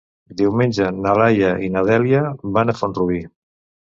Diumenge na Laia i na Dèlia van a Font-rubí.